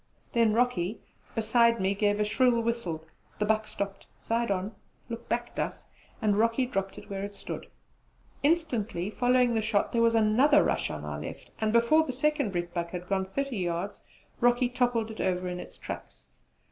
Then Rocky, beside me, gave a shrill whistle; the buck stopped, side on, looked back at us, and Rocky dropped it where it stood. Instantly following the shot there was another rush on our left, and before the second rietbuck had gone thirty yards Rocky toppled it over in its tracks.